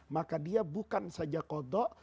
maka dia bukan saja kodok